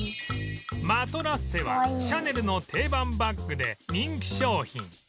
マトラッセはシャネルの定番バッグで人気商品